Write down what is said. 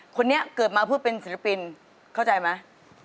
คนนี้เกิดมาเพื่อเป็นศิลปินเข้าใจไหม